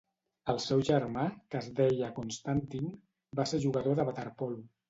El seu germà, que es deia Constantin, va ser jugador de waterpolo.